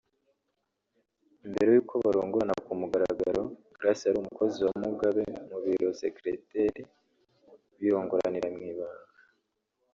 Mbere y’uko barongorana ku mugaragaro Grace yari umukozi wa Mugabe mu biro (secretary) birongoranira mu ibanga